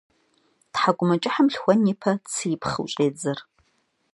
Тхьэкӏумэкӏыхьым лъхуэн ипэ цы ипхъыу щӏедзэ.